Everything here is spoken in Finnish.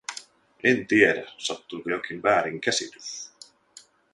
En tiedä, sattuiko jokin väärinkäsitys.